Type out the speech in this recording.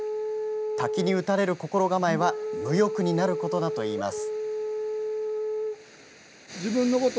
滝に打たれる心構えは無欲になることだといいます。